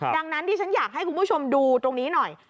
ดังนั้นที่ฉันอยากให้คุณผู้ชมดูตรงนี้หน่อย